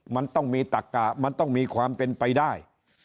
มันต้องมีตักกะมันต้องมีความเป็นไปได้